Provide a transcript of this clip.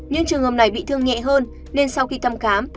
những trường hợp này bị thương nhẹ hơn nên sau khi thăm khám